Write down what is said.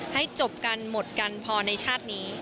ให้จบกันหมดกันพอในชาตินี้